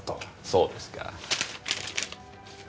そうですか。